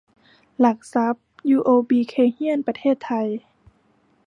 หลักทรัพย์ ยูโอบี เคย์เฮียน ประเทศไทย